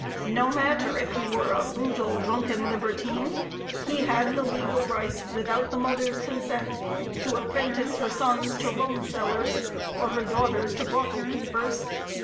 No matter if he were a brutal, drunken libertine, he had the legal right, without the mother's consent, to apprentice her sons to rumsellers, or her daughters to brothel keepers.